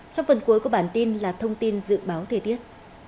trong phần cuối của bản tin là thông tin dự báo thời tiết